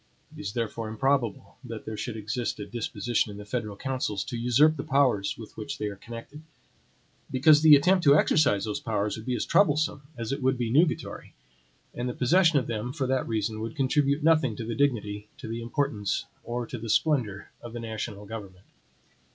It is therefore improbable that there should exist a disposition in the federal councils to usurp the powers with which they are connected; because the attempt to exercise those powers would be as troublesome as it would be nugatory; and the possession of them, for that reason, would contribute nothing to the dignity, to the importance, or to the splendor of the national government.